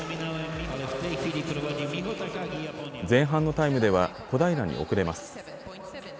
前半のタイムでは小平に遅れます。